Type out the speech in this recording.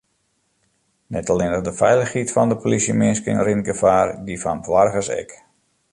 Net allinnich de feilichheid fan de polysjeminsken rint gefaar, dy fan boargers ek.